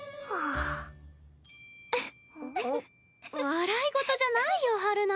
笑い事じゃないよ陽菜。